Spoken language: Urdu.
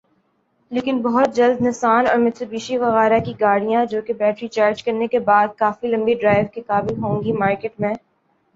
لیکن بہت جلد نسان اور میٹسوبشی وغیرہ کی گاڑیاں جو کہ بیٹری چارج کرنے کے بعد کافی لمبی ڈرائیو کے قابل ہوں گی مارکیٹ میں